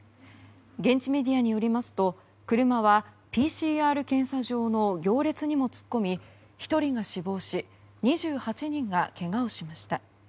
現地メディアによりますと車はＰＣＲ検査場の行列にも突っ込み、１人が死亡し２８人がけがをしました。